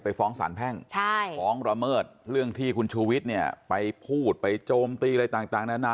ฟ้องสารแพ่งฟ้องระเมิดเรื่องที่คุณชูวิทย์เนี่ยไปพูดไปโจมตีอะไรต่างนานา